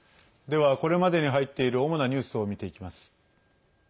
では、これまでに入っている主なニュースを見ていきます。